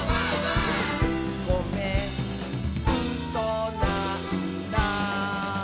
「ごめんうそなんだ」